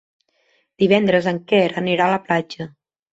Divendres en Quer anirà a la platja.